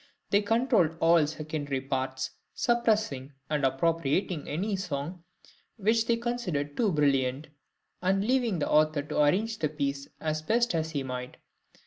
They controlled all secondary parts, suppressing or appropriating any song which they considered too brilliant, and leaving the author to arrange the piece as best he might.